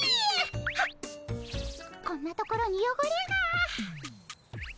はっこんなところによごれが。